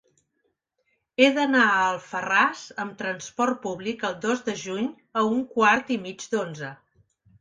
He d'anar a Alfarràs amb trasport públic el dos de juny a un quart i mig d'onze.